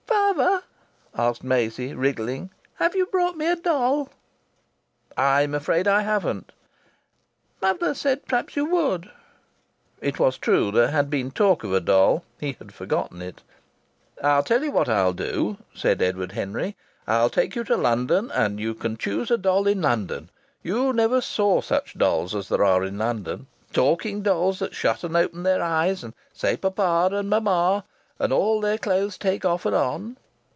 "Fahver," asked Maisie, wriggling, "have you brought me a doll?" "I'm afraid I haven't." "Mother said p'r'aps you would." It was true there had been talk of a doll; he had forgotten it. "I tell you what I'll do," said Edward Henry. "I'll take you to London, and you can choose a doll in London. You never saw such dolls as there are in London talking dolls that shut and open their eyes and say papa and mamma, and all their clothes take off and on."